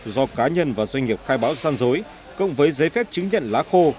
do cá nhân và doanh nghiệp khai báo gian dối cộng với giấy phép chứng nhận lá khô